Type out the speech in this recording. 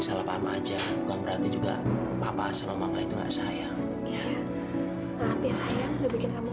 salah paham aja bukan berarti juga papa sama mama itu nggak sayang ya maaf ya sayang udah bikin kamu